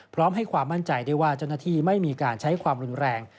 พร้อมให้ความมั่นใจได้ว่าเจ้าหน้าที่ไม่มีการใช้ความรุนแรง